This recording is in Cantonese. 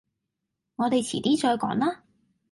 我哋遲啲再講啦